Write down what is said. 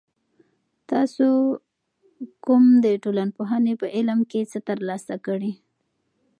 تاسو کونه د ټولنپوهنې په علم کې څه تر لاسه کړي؟